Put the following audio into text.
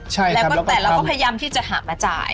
ใช่แล้วก็แต่เราก็พยายามที่จะหามาจ่าย